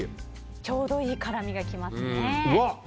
ちょうどいい辛みが来ますね。